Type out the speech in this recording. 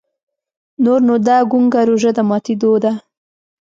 نوره نو دا ګونګه روژه د ماتېدو ده.